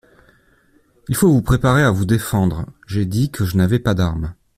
Il faut vous préparer à vous défendre.” J'ai dit que je n'avais pas d'arme.